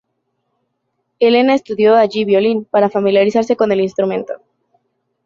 Elena estudió allí violín, para familiarizarse con el instrumento.